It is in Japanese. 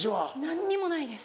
何にもないです。